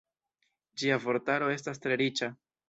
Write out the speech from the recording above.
Ĝia vortaro estas tre riĉa.